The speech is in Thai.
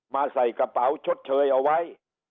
ใส่กระเป๋าชดเชยเอาไว้